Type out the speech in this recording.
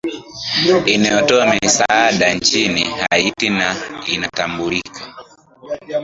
inayotoa misaada nchini haiti na inatambulika